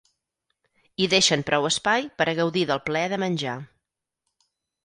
I deixen prou espai per a gaudir del plaer de menjar.